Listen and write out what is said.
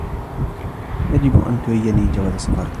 يجب أن تريني جواز سفرك.